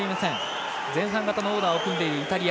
前半型のオーダーを組んでいるイタリア。